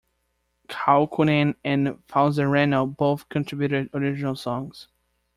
Kaukonen and Falzarano both contributed original songs.